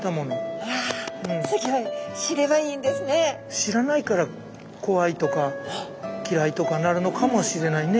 知らないから怖いとか嫌いとかなるのかもしれないね。